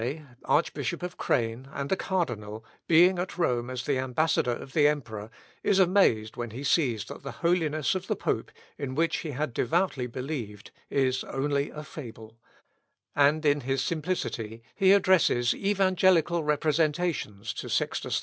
André, Archbishop of Crayn, and a Cardinal, being at Rome as the ambassador of the emperor, is amazed when he sees that the holiness of the pope, in which he had devoutly believed, is only a fable; and in his simplicity he addresses evangelical representations to Sextus IV.